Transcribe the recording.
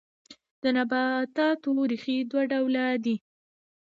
د نباتاتو ریښې دوه ډوله دي